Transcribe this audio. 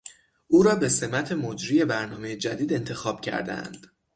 او را به سمت مجری برنامه جدید انتخاب کردهاند.